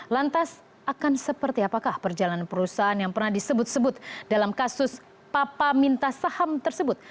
lantas akan seperti apakah perjalanan perusahaan yang pernah disebut sebut dalam kasus papa minta saham tersebut